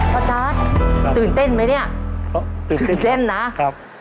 พ่อจัดตื่นเต้นไหมนี่ตื่นเต้นนะครับครับ